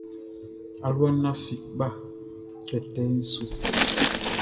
Alua lafi kpa kɛtɛ su.